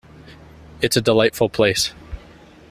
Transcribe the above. It's a delightful place.